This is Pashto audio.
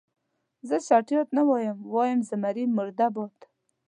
زه چټیات نه وایم، وایم زمري مرده باد.